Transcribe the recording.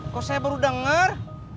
kok saya baru denger